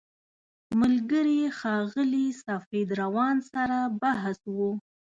ملګري ښاغلي سفید روان سره بحث و.